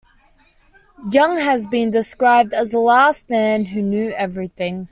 Young has been described as "The Last Man Who Knew Everything".